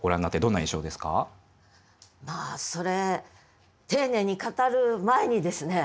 まあそれ丁寧に語る前にですね。